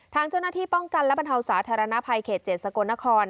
ทางเจ้าหน้าที่ป้องกันและบรรเทาสาธารณภัยเขต๗สกลนคร